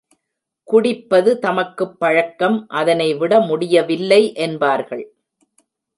குடிப்பது தமக்குப் பழக்கம் அதனை விடமுடியவில்லை என்பார்கள்.